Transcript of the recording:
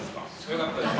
よかったです。